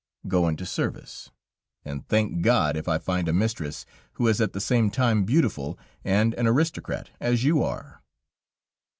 go into service, and thank God if I find a mistress who is at the same time beautiful and an aristocrat, as you are."